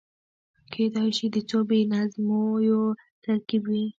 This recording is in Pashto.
کېدای شي د څو بې نظمیو ترکيب وي.